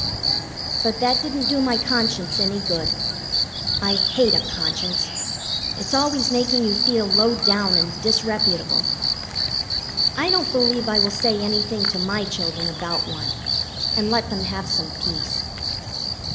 But that didn't do my conscience any good. I hate a conscience. It's always making you feel low down and disreputable. I don't believe I will say anything to my children about one, and let them have some peace.